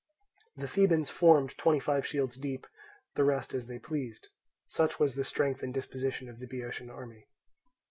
The Thebans formed twenty five shields deep, the rest as they pleased. Such was the strength and disposition of the Boeotian army.